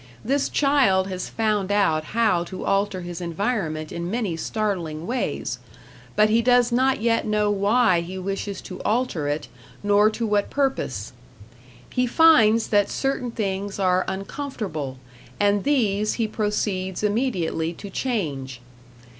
This child has found out how to alter his environment in many startling ways, but he does not yet know why he wishes to alter it, nor to what purpose. He finds that certain things are uncomfortable, and these he proceeds immediately to change.